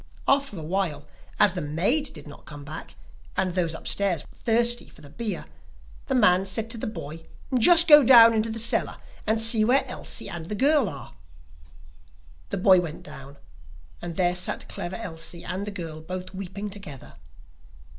After a while, as the maid did not come back, and those upstairs were thirsty for the beer, the man said to the boy: 'Just go down into the cellar and see where Elsie and the girl are.' The boy went down, and there sat Clever Elsie and the girl both weeping together.